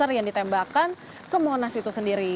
yang ditembakkan ke monas itu sendiri